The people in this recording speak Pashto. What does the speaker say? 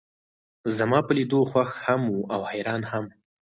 زما پۀ لیدو خوښ هم و او حیران هم.